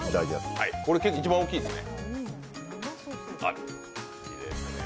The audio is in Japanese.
これ一番大きいですね。